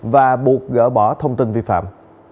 và buộc gỡ bỏ thông tin vi phạm